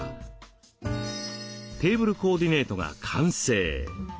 テーブルコーディネートが完成。